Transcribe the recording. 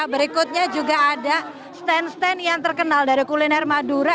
berikutnya juga ada stand stand yang terkenal dari kuliner madura